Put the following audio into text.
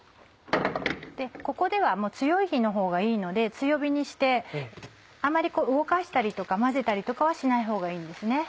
ここではもう強い火のほうがいいので強火にしてあまり動かしたりとか混ぜたりとかはしないほうがいいんですね。